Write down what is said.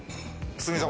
堤さん。